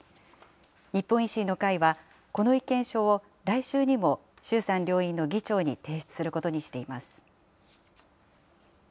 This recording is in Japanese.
日本維新の会は、この意見書を来週にも衆参両院の議長に提出することにしています。